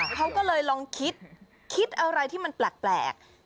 เขาก็เลยลองคิดคิดอะไรที่มันแปลก